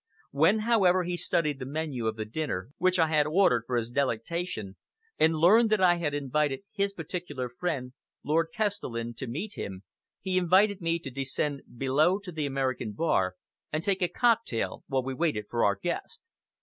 When, however, he studied the menu of the dinner which I had ordered for his delectation, and learned that I had invited his particular friend, Lord Kestelen, to meet him, he invited me to descend below to the American bar and take a cocktail while we waited for our guest.